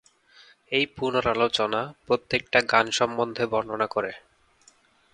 এই পুনরালোচনা প্রত্যেকটা গান সম্বন্ধে বর্ণনা করে।